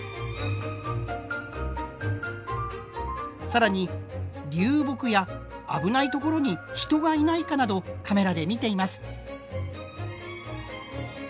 更に流木や危ないところに人がいないかなどカメラで見ています。